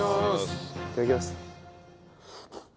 いただきます。